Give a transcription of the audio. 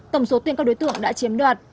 tổng số tiền các đối tượng đã chiếm đoạt